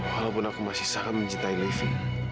walaupun aku masih sangat mencintai levi